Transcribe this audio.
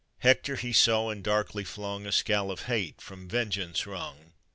Hector he saw, and darkly flung A scowl of hate from vengeance wrung.